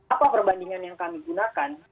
apa perbandingan yang kami gunakan